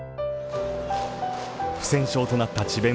不戦勝となった智弁